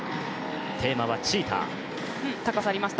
テーマはチーター。